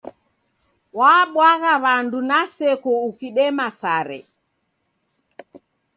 Wabwagha w'andu na seko ukidema sare.